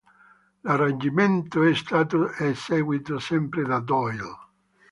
L'arrangimento è stato eseguito sempre da Doyle.